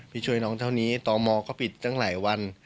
พี่ช่วยน้องเท่านี้ตมก็ปิดตั้งหลายวัน